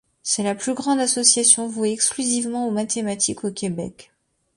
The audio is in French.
C'est la plus grande association vouée exclusivement aux mathématiques au Québec.